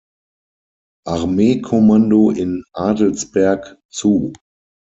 Armeekommando in Adelsberg zu.